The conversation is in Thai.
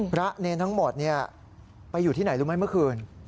พระเนธทั้งหมดเนี่ยไปอยู่ที่ไหนรู้ไหมเมื่อคืน